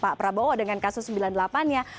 pak prabowo dengan kasus sembilan puluh delapan nya